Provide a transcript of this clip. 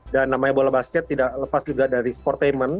dan namanya bola basket tidak lepas juga dari sportainment